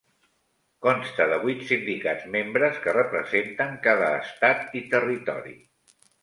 Consta de vuit sindicats membres, que representen cada estat i territori.